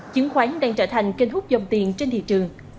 chứng khoán đang trở thành kênh hút dòng tiền trên thị trường